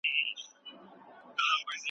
ایا کورني سوداګر جلغوزي صادروي؟